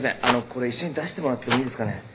あのこれ一緒に出してもらってもいいですかね。